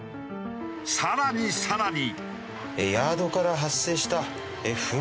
更に更に。